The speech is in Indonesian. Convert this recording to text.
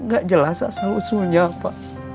gak jelas asal usulnya apa